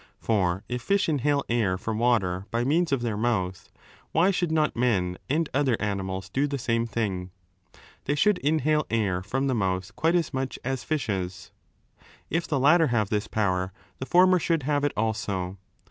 For lif fish inhale air from water by means of their mouth, why should not men and other animals do the same ihing ? They should inhale air from the mouth quite 5 much as fishes. If the latter have this power, the rmer should have it also.